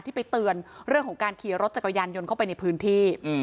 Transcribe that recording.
ไปเตือนเรื่องของการขี่รถจักรยานยนต์เข้าไปในพื้นที่